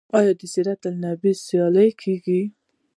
آیا د سیرت النبی سیالۍ کیږي؟